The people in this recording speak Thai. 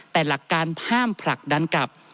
ท่านประธานครับนี่คือสิ่งที่สุดท้ายของท่านครับ